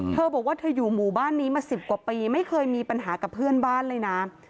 เธอบอกว่าเธออยู่หมู่บ้านนี้มา๑๐กว่าปีไม่เคยมีปัญหากับเพื่อนบ้านเลยนะ